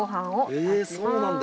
へえそうなんだ。